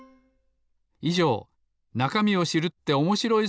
いじょう「なかみを知るっておもしろい！